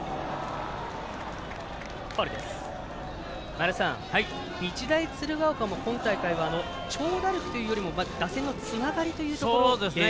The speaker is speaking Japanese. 前田さん、日大鶴ヶ丘も今大会は長打力というよりも打線のつながりという。